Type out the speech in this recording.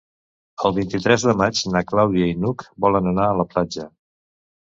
El vint-i-tres de maig na Clàudia i n'Hug volen anar a la platja.